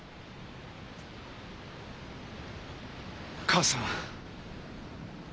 母さん。